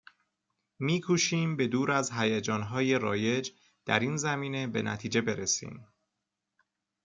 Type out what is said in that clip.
میکوشیم به دور از هیجانهای رایج در این زمینه، به نتیجه برسیم